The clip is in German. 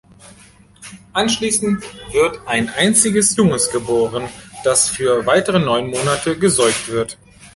Anschließend wird ein einziges Junges geboren, das für weitere neun Monate gesäugt wird.